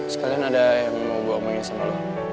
sekalian ada yang mau gue omongin sama lo